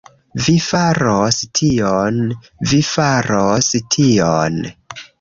Vi faros tion... vi faros tion...